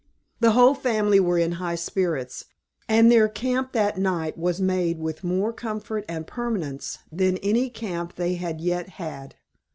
The whole family were in high spirits, and their camp that night was made with more comfort and permanence than any camp they had yet had.